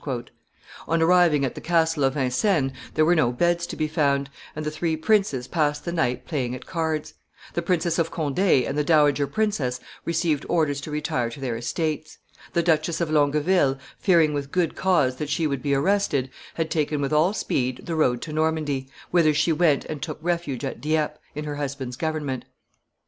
On arriving at the castle of Vincennes, there were no beds to be found, and the three princes passed the night playing at cards; the Princess of Conde and the dowager princess received orders to retire to their estates; the Duchess of Longueville, fearing with good cause that she would be arrested, had taken with all speed the road to Normandy, whither she went and took refuge at Dieppe, in her husband's government.